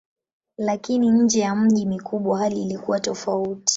Lakini nje ya miji mikubwa hali ilikuwa tofauti.